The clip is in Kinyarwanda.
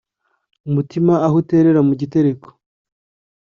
umutima aho uterera mu gitereko